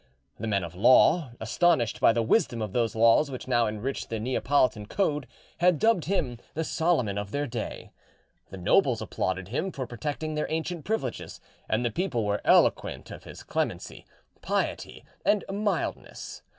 The men of law, astonished by the wisdom of those laws which now enriched the Neapolitan code, had dubbed him the Solomon of their day; the nobles applauded him for protecting their ancient privileges, and the people were eloquent of his clemency, piety, and mildness.